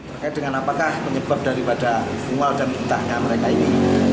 terkait dengan apakah penyebab daripada mual dan muntahnya mereka ini